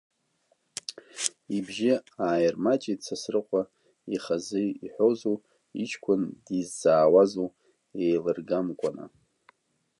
Ибжьы ааирмаҷит Сасрыҟәа, ихазы иҳәозу иҷкәын дизҵаауазу еилыргамкәаны.